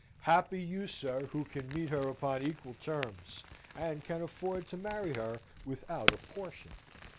Happy you, sir, who can meet her upon equal terms, and can afford to marry her without a portion!"